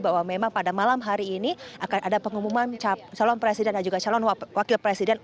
bahwa memang pada malam hari ini akan ada pengumuman calon presiden dan juga calon wakil presiden